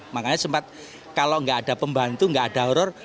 makanya sempat kalau gak ada pembantu gak ada horror